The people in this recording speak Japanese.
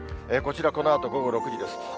こちら、このあと午後６時です。